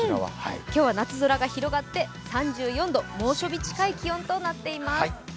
今日は夏空が広がって３４度、猛暑日近い気温となっています。